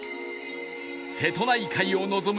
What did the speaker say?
瀬戸内海を望む絶景